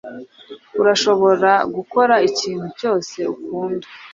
Urashobora gukora ikintu cyose ukunda.